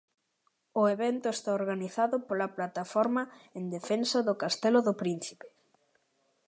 O evento está organizado pola Plataforma en Defensa do Castelo do Príncipe.